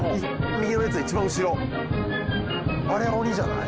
右の列の一番後ろあれ鬼じゃない？